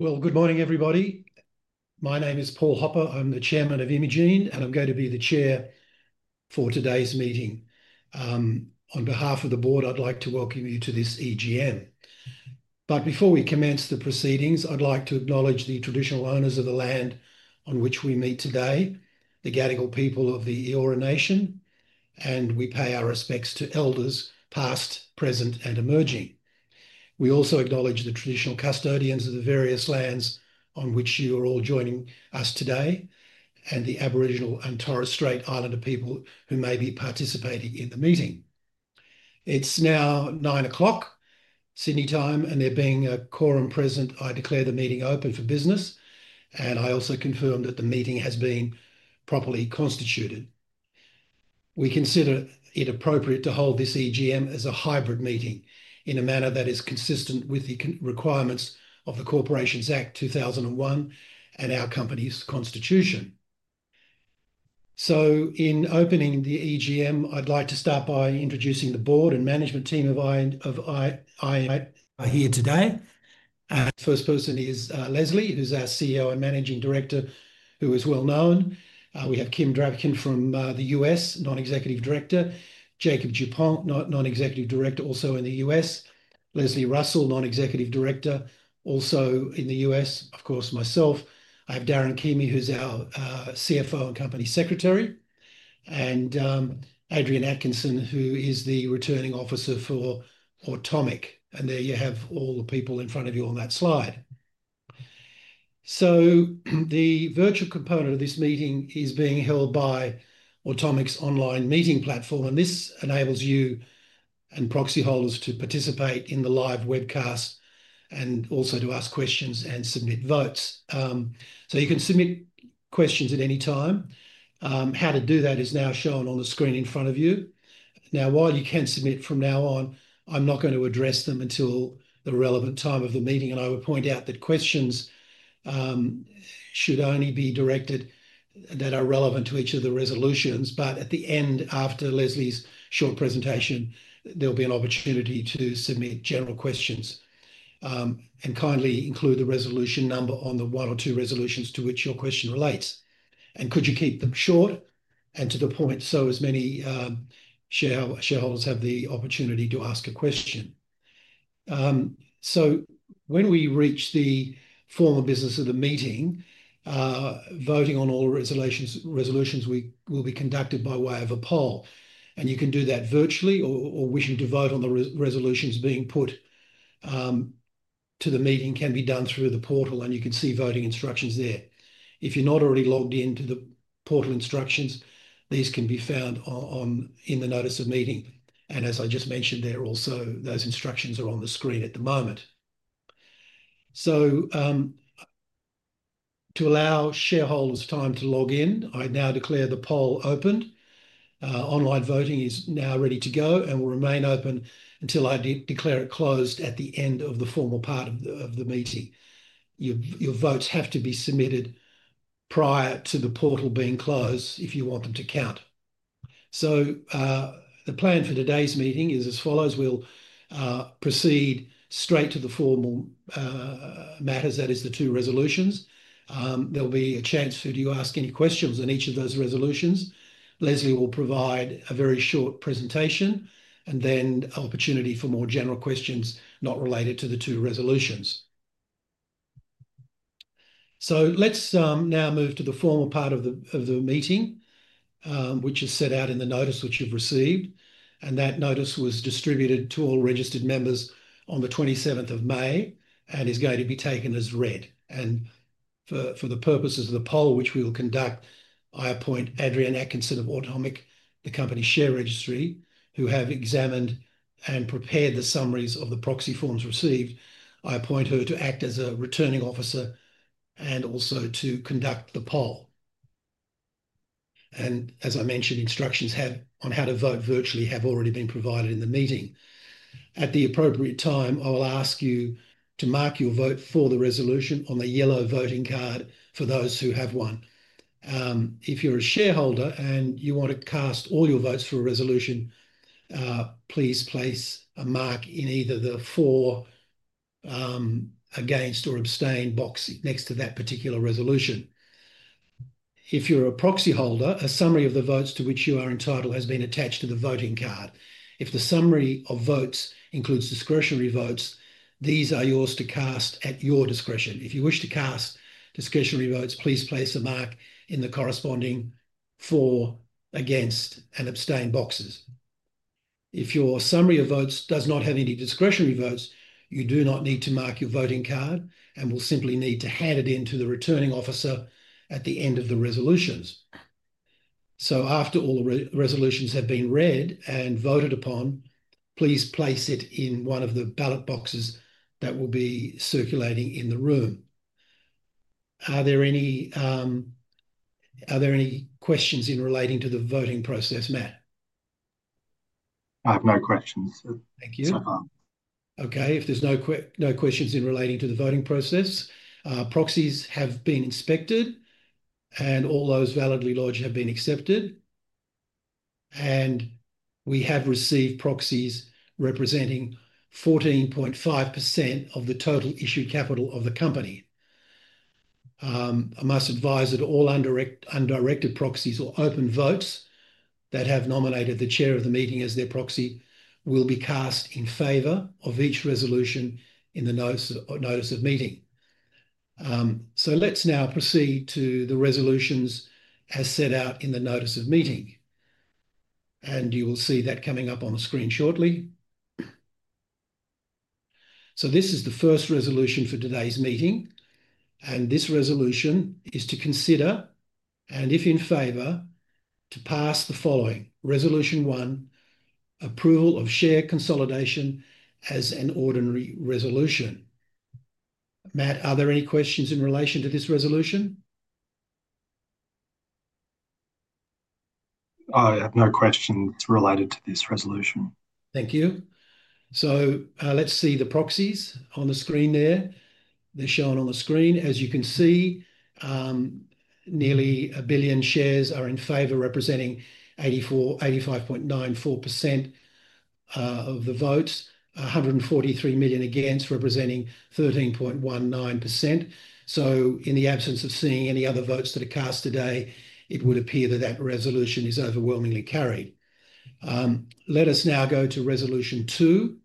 Good morning, everybody. My name is Paul Hopper. I'm the Chairman of Imugene, and I'm going to be the Chair for today's meeting. On behalf of the Board, I'd like to welcome you to this EGM. Before we commence the proceedings, I'd like to acknowledge the traditional owners of the land on which we meet today, the Gadigal people of the Eora Nation, and we pay our respects to Elders past, present, and emerging. We also acknowledge the traditional custodians of the various lands on which you are all joining us today, and the Aboriginal and Torres Strait Islander people who may be participating in the meeting. It's now 9:00 A.M. Sydney time, and there being a quorum present, I declare the meeting open for business, and I also confirm that the meeting has been properly constituted. We consider it appropriate to hold this EGM as a hybrid meeting in a manner that is consistent with the requirements of the Corporations Act 2001 and our company's constitution. In opening the EGM, I'd like to start by introducing the Board and Management Team of Imugene here today. First person is Leslie, who's our CEO and Managing Director, who is well known. We have Kim Dravkin from the U.S., Non-Executive Director; Jacob DuPont, Non-Executive Director, also in the US; Leslie Russell, Non-Executive Director, also in the US, of course, myself. I have Darren Keamy, who's our CFO and Company Secretary; and Adrian Atkinson, who is the Returning Officer for Automic. There you have all the people in front of you on that slide. The virtual component of this meeting is being held by Automic's online meeting platform, and this enables you and proxy holders to participate in the live webcast and also to ask questions and submit votes. You can submit questions at any time. How to do that is now shown on the screen in front of you. While you can submit from now on, I'm not going to address them until the relevant time of the meeting, and I will point out that questions should only be directed that are relevant to each of the resolutions. At the end, after Leslie's short presentation, there will be an opportunity to submit general questions. Kindly include the resolution number on the one or two resolutions to which your question relates. Could you keep them short and to the point so as many shareholders have the opportunity to ask a question? When we reach the form of business of the meeting, voting on all resolutions will be conducted by way of a poll, and you can do that virtually, or wishing to vote on the resolutions being put to the meeting can be done through the portal, and you can see voting instructions there. If you're not already logged into the portal instructions, these can be found in the notice of meeting, and as I just mentioned, those instructions are on the screen at the moment. To allow shareholders time to log in, I now declare the poll open. Online voting is now ready to go and will remain open until I declare it closed at the end of the formal part of the meeting. Your votes have to be submitted prior to the portal being closed if you want them to count. The plan for today's meeting is as follows: we'll proceed straight to the formal matters, that is, the two resolutions. There'll be a chance for you to ask any questions on each of those resolutions. Leslie will provide a very short presentation and then an opportunity for more general questions not related to the two resolutions. Let's now move to the formal part of the meeting, which is set out in the notice which you've received, and that notice was distributed to all registered members on the 27th of May and is going to be taken as read. For the purposes of the poll, which we will conduct, I appoint Adrian Atkinson of Automic, the Company's share registry, who have examined and prepared the summaries of the proxy forms received. I appoint her to act as a Returning Officer and also to conduct the poll. As I mentioned, instructions on how to vote virtually have already been provided in the meeting. At the appropriate time, I will ask you to mark your vote for the resolution on the yellow voting card for those who have one. If you're a shareholder and you want to cast all your votes for a resolution, please place a mark in either the for, against, or abstain box next to that particular resolution. If you're a proxy holder, a summary of the votes to which you are entitled has been attached to the voting card. If the summary of votes includes discretionary votes, these are yours to cast at your discretion. If you wish to cast discretionary votes, please place a mark in the corresponding for, against, and abstain boxes. If your summary of votes does not have any discretionary votes, you do not need to mark your voting card and will simply need to hand it in to the Returning Officer at the end of the resolutions. After all the resolutions have been read and voted upon, please place it in one of the ballot boxes that will be circulating in the room. Are there any questions in relating to the voting process, Matt? I have no questions. Thank you. So far. Okay. If there are no questions in relating to the voting process, proxies have been inspected and all those validly lodged have been accepted, and we have received proxies representing 14.5% of the total issued capital of the company. I must advise that all undirected proxies or open votes that have nominated the Chair of the meeting as their proxy will be cast in favor of each resolution in the notice of meeting. Let's now proceed to the resolutions as set out in the notice of meeting, and you will see that coming up on the screen shortly. This is the first resolution for today's meeting, and this resolution is to consider, and if in favor, to pass the following: Resolution One, approval of share consolidation as an ordinary resolution. Matt, are there any questions in relation to this resolution? I have no questions related to this resolution. Thank you. Let's see the proxies on the screen there. They're shown on the screen. As you can see, nearly a billion shares are in favor, representing 85.94% of the votes, 143 million against, representing 13.19%. In the absence of seeing any other votes that are cast today, it would appear that that resolution is overwhelmingly carried. Let us now go to Resolution 2,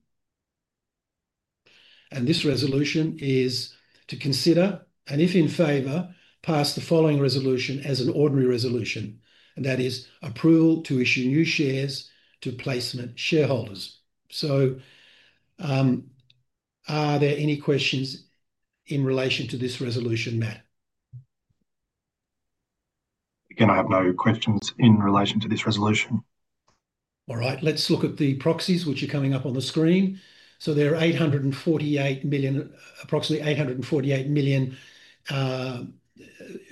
and this resolution is to consider, and if in favor, pass the following resolution as an ordinary resolution, and that is approval to issue new shares to placement shareholders. Are there any questions in relation to this resolution, Matt? Again, I have no questions in relation to this resolution. All right. Let's look at the proxies which are coming up on the screen. There are approximately 848 million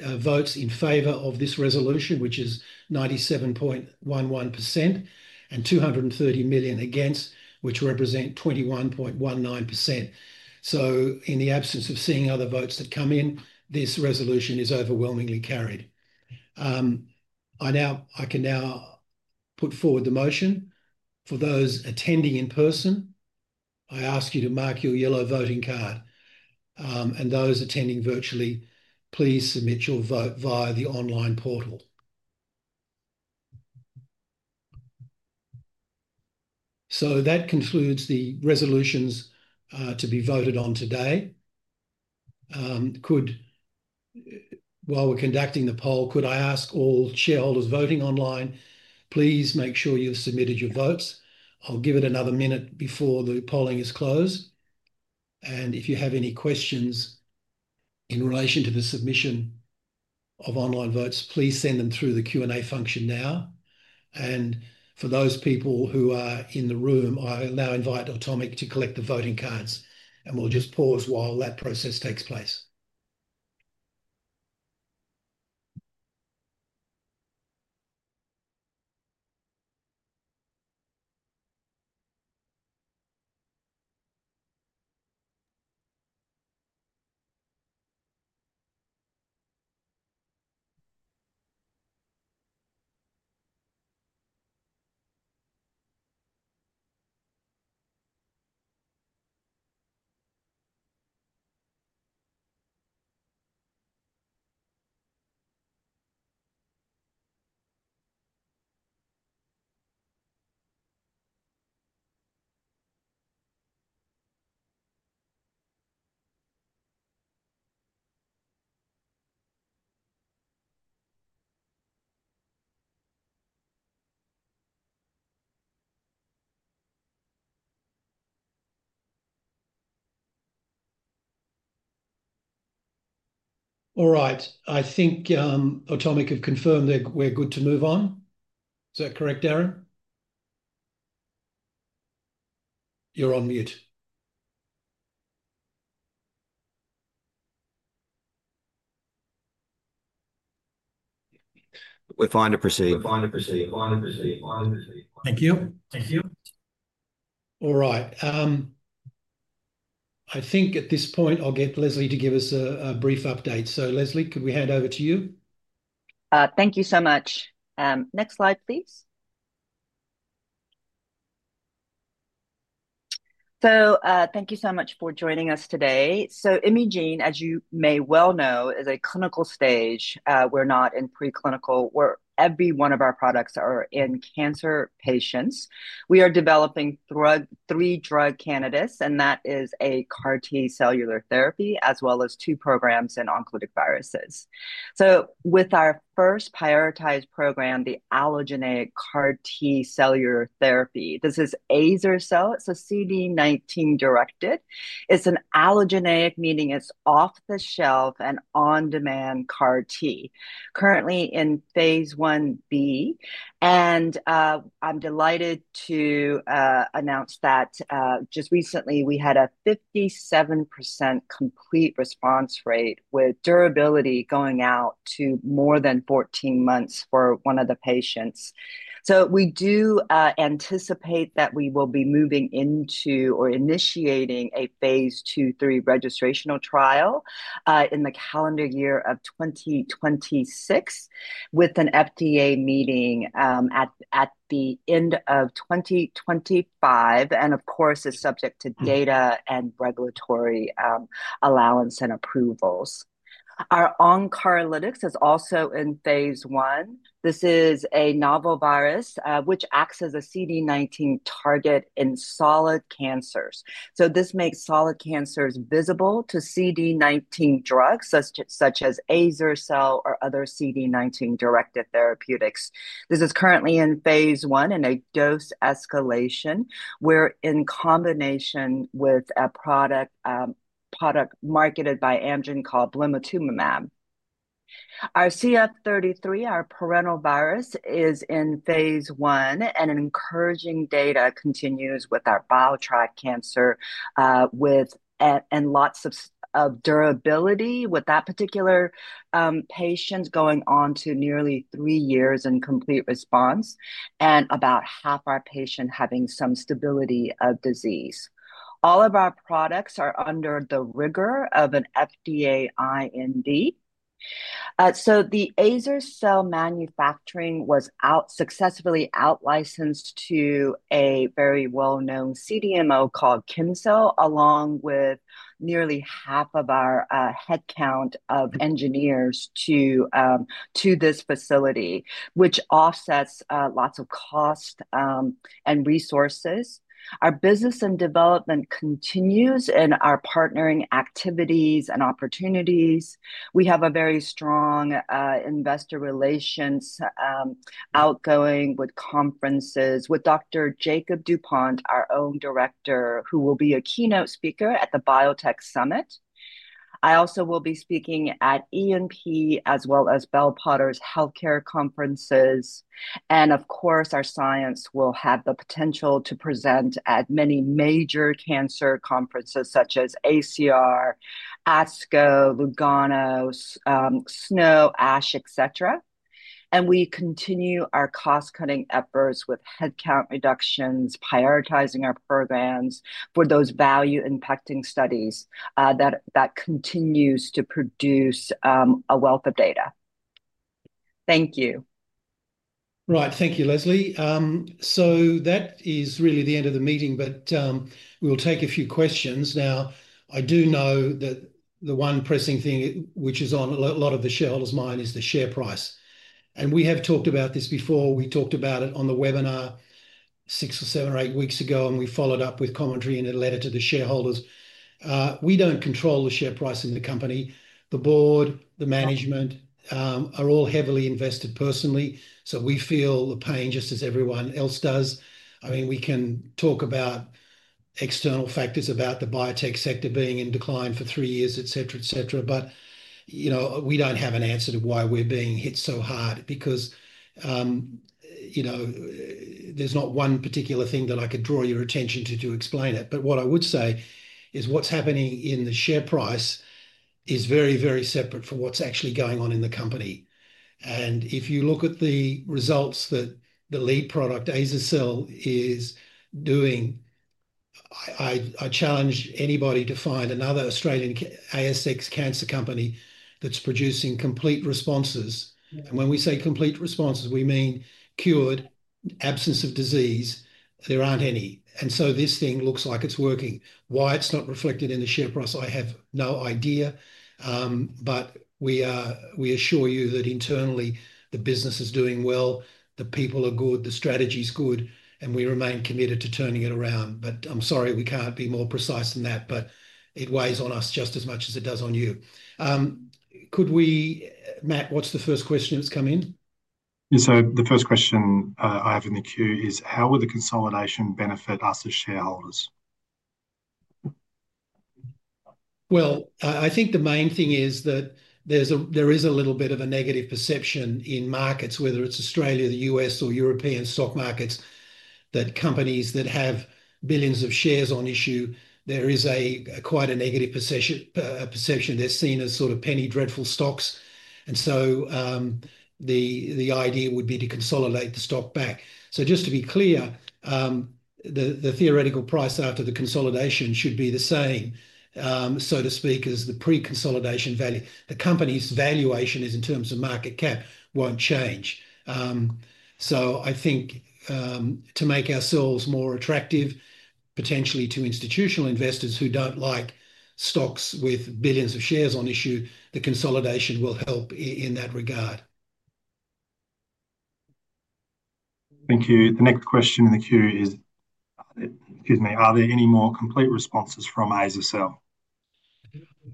votes in favor of this resolution, which is 97.11%, and 230 million against, which represent 21.19%. In the absence of seeing other votes that come in, this resolution is overwhelmingly carried. I can now put forward the motion. For those attending in person, I ask you to mark your yellow voting card, and those attending virtually, please submit your vote via the online portal. That concludes the resolutions to be voted on today. While we are conducting the poll, could I ask all shareholders voting online, please make sure you have submitted your votes. I'll give it another minute before the polling is closed. If you have any questions in relation to the submission of online votes, please send them through the Q&A function now. For those people who are in the room, I now invite Automic to collect the voting cards, and we'll just pause while that process takes place. All right. I think Automic have confirmed that we're good to move on. Is that correct, Darren? You're on mute. We're fine to proceed. Thank you. All right. I think at this point, I'll get Leslie to give us a brief update. Leslie, could we hand over to you? Thank you so much. Next slide, please. Thank you so much for joining us today. Imugene, as you may well know, is a clinical stage. We're not in preclinical where every one of our products are in cancer patients. We are developing three drug candidates, and that is a CAR T cellular therapy as well as two programs in oncolytic viruses. With our first prioritised program, the allogeneic CAR T cellular therapy, this is AZERCELL. It's a CD19-directed. It's an allogeneic, meaning it's off the shelf and on-demand CAR T, currently in Phase 1B, and I'm delighted to announce that just recently we had a 57% complete response rate, with durability going out to more than 14 months for 1 of the patients. So, we do anticipate that we will be moving into or initiating a Phase 2/3 registrational trial in the calendar year of 2026, with an FDA meeting at the end of 2025, and of course, it's subject to data and regulatory allowance and approvals. Our OnCar Lytics is also in Phase 1. This is a novel virus which acts as a CD19 target in solid cancers. So, this makes solid cancers visible to CD19 drugs such as AZERCELL or other CD19-directed therapeutics. This is currently in Phase 1 in a dose escalation. We're in combination with a product marketed by Amgen called Blinatumomab. Our CF33, our perennial virus, is in Phase 1, and encouraging data continues with our bile tract cancer, and lots of durability with that particular patient going on to nearly three years in complete response, and about half our patient having some stability of disease. All of our products are under the rigour of an FDA IND. The AZERCELL manufacturing was successfully out-licensed to a very well-known CDMO called Kincell, along with nearly half of our headcount of engineers to this facility, which offsets lots of cost and resources. Our business and development continues in our partnering activities and opportunities. We have a very strong investor relations outgoing with conferences with Dr. Jacob Dupont, our own director, who will be a keynote speaker at the Biotech Summit. I also will be speaking at ENP as well as Bell Potter's healthcare conferences, and of course, our science will have the potential to present at many major cancer conferences such as AACR, ASCO, Lugano, SNO, ASH, etc. We continue our cost-cutting efforts with headcount reductions, prioritizing our programs for those value-impacting studies that continue to produce a wealth of data. Thank you. Right. Thank you, Leslie. That is really the end of the meeting, but we'll take a few questions. I do know that the one pressing thing which is on a lot of the shareholders' mind is the share price. We have talked about this before. We talked about it on the webinar 6 or 7 or 8 weeks ago, and we followed up with commentary in a letter to the shareholders. We don't control the share price in the company. The board, the management are all heavily invested personally, so we feel the pain just as everyone else does. I mean, we can talk about external factors about the biotech sector being in decline for three years, etc., etc., but we don't have an answer to why we're being hit so hard because there's not one particular thing that I could draw your attention to to explain it. What I would say is what's happening in the share price is very, very separate from what's actually going on in the company. If you look at the results that the lead product, AZERCELL, is doing, I challenge anybody to find another Australian ASX cancer company that's producing complete responses. When we say complete responses, we mean cured, absence of disease. There aren't any. This thing looks like it's working. Why it's not reflected in the share price, I have no idea, but we assure you that internally the business is doing well, the people are good, the strategy's good, and we remain committed to turning it around. I'm sorry, we can't be more precise than that, but it weighs on us just as much as it does on you. Matt, what's the first question that's come in? The first question I have in the queue is, how will the consolidation benefit us as shareholders? I think the main thing is that there is a little bit of a negative perception in markets, whether it's Australia, the U.S., or European stock markets, that companies that have billions of shares on issue, there is quite a negative perception. They're seen as sort of penny dreadful stocks. The idea would be to consolidate the stock back. Just to be clear, the theoretical price after the consolidation should be the same, so to speak, as the pre-consolidation value. The company's valuation in terms of market cap won't change. I think to make ourselves more attractive potentially to institutional investors who don't like stocks with billions of shares on issue, the consolidation will help in that regard. Thank you. The next question in the queue is, excuse me, are there any more complete responses from AZERCELL?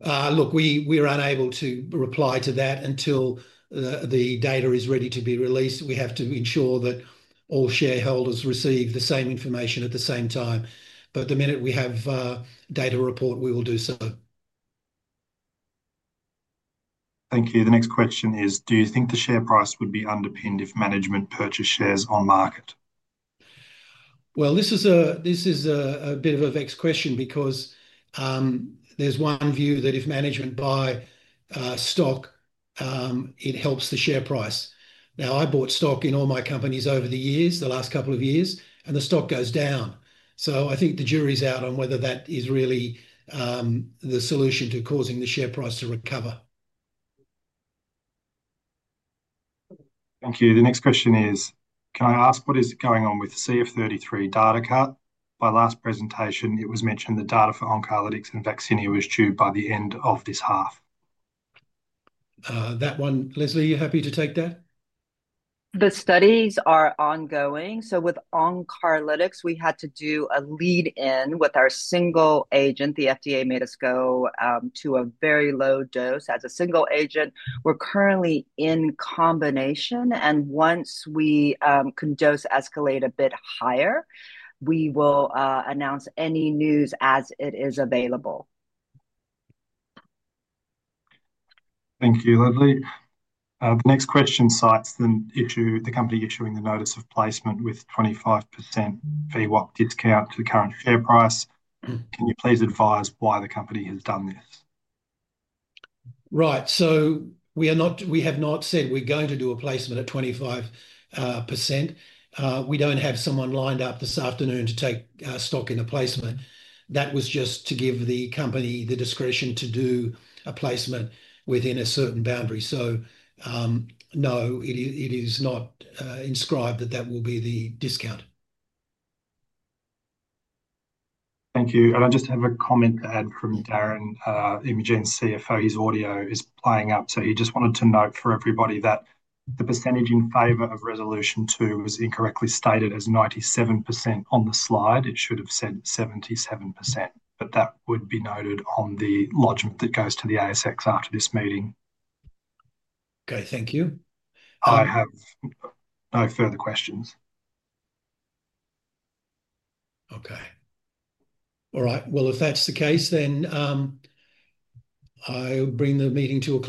Look, we're unable to reply to that until the data is ready to be released. We have to ensure that all shareholders receive the same information at the same time. The minute we have a data report, we will do so. Thank you. The next question is, do you think the share price would be underpinned if management purchased shares on market? This is a bit of a vexed question because there's one view that if management buy stock, it helps the share price. Now, I bought stock in all my companies over the years, the last couple of years, and the stock goes down. I think the jury's out on whether that is really the solution to causing the share price to recover. Thank you. The next question is, can I ask, what is going on with the CF33 data cut? By last presentation, it was mentioned the data for OnCar Lytics and Vaccinia was due by the end of this half. That one, Leslie, you're happy to take that? The studies are ongoing. With OnCar Lytics, we had to do a lead-in with our single agent. The FDA made us go to a very low dose as a single agent. We're currently in combination, and once we can dose escalate a bit higher, we will announce any news as it is available. Thank you, Leslie. The next question cites the company issuing the notice of placement with 25% fee-whopped discount to the current share price. Can you please advise why the company has done this? Right. We have not said we're going to do a placement at 25%. We don't have someone lined up this afternoon to take stock in a placement. That was just to give the company the discretion to do a placement within a certain boundary. No, it is not inscribed that that will be the discount. Thank you. I just have a comment to add from Darren Keamy, Imugene's CFO. His audio is playing up, so he just wanted to note for everybody that the percentage in favor of Resolution 2 was incorrectly stated as 97% on the slide. It should have said 77%, but that will be noted on the lodgment that goes to the ASX after this meeting. Okay. Thank you. I have no further questions. Okay. All right. If that's the case, then I'll bring the meeting to a close.